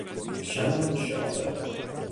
Shannon Shorter